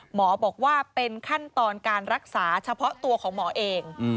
หมอบอกว่าเป็นขั้นตอนการรักษาเฉพาะตัวของหมอเอง